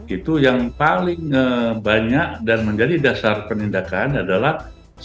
itu yang paling banyak dan menjadi dasar penindakan adalah